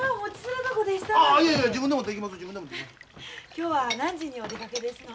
今日は何時にお出かけですの？